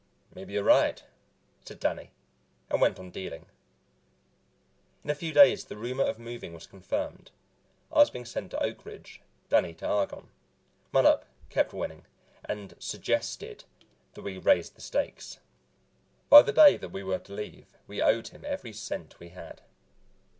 "Maybe you're right," said Danny, and went on dealing. In a few days the rumor of moving was confirmed; I was being sent to Oak Ridge, Danny to Argonne. Mattup kept winning, and "suggested" that we raise the stakes. By the day that we were to leave we owed him every cent we had.